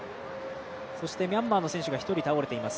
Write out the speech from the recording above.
そして、ミャンマーの選手が１人、倒れています。